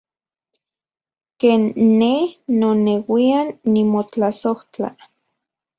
Ken ne noneuian nimotlasojtla.